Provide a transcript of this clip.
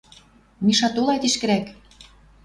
Миша, толай тишкӹрӓк!..»